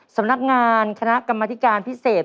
สำนักงานคณะกรรมธิการพิเศษ